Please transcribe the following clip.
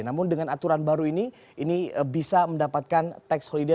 namun dengan aturan baru ini ini bisa mendapatkan tax holiday